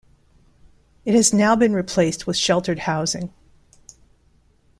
It has now been replaced with sheltered housing.